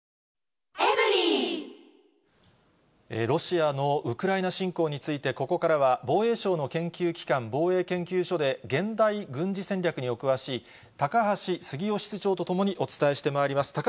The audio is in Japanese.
ロシアのウクライナ侵攻について、ここからは、防衛省の研究機関、防衛研究所で、現代軍事戦略にお詳しい、高橋杉雄室長と共にお伝えしてまいります。